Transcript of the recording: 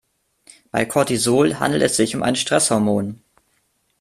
Bei Cortisol handelt es sich um ein Stresshormon.